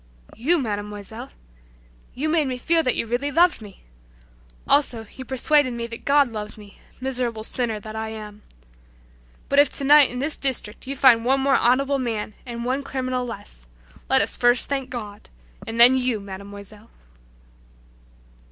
"You, Mademoiselle! You made me feel that you really loved me. Also, you persuaded me that God loved me, miserable sinner that I am. But if tonight in this district you find one more honorable man and one criminal less, let us first thank God, and then you, Mademoiselle!"